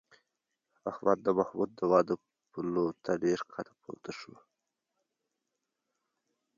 احمد د محمود د واده پلو ته ډېر ښکته پورته شو